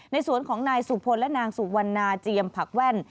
สวนของนายสุพลและนางสุวรรณาเจียมผักแว่น